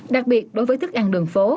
đặc biệt đối với thức ăn đường phố